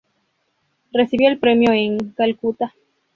Recibió el premio en Calcutta.